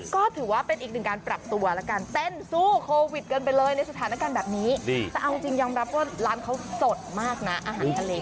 ก็ถือว่าเป็นอีกหนึ่งการปรับตัวแล้วกันเต้นสู้โควิดกันไปเลยในสถานการณ์แบบนี้แต่เอาจริงยอมรับว่าร้านเขาสดมากนะอาหารทะเล